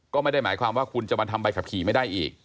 ก็ไม่ได้หมายความว่าคุณจะมาทำใบขับขี่ไม่ได้อีก